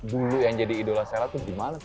dulu yang jadi idola sela tuh gimana tuh